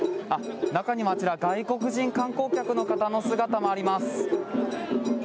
中にはあちら外国人観光客の姿もあります。